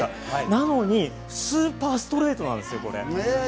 なのに、スーパーストレートなんです。